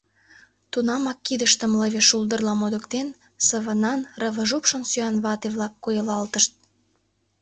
Тунамак, кидыштым лыве шулдырла модыктен, сывынан, рывыжупшан сӱанвате-влак койылалтышт.